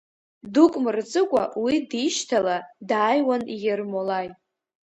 Дук мырҵыкәа, уи дишьҭала, дааиуан Ермолаи.